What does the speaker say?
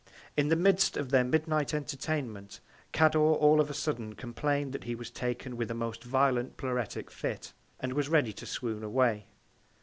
In the Midst of their Midnight Entertainment, Cador all on a sudden complain'd that he was taken with a most violent pleuretic Fit, and was ready to swoon away.